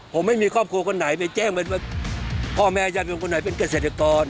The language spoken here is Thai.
ผมไม่มีครอบครัวคนไหนไปแจ้งมันว่าพ่อแม่จะเป็นคนไหนเป็นเกษตรกร